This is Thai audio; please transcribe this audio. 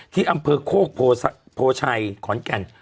ที่อำเภอโคกโพชัยขอนแก่น